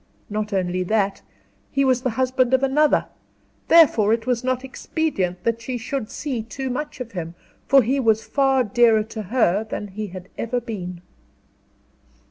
Not only that; he was the husband of another; therefore it was not expedient that she should see too much of him, for he was far dearer to her than he had ever been.